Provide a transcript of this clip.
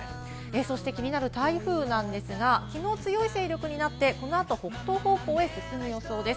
そして気になる台風なんですが、今、強い勢力になって、このあと北東方向へ進む予想です。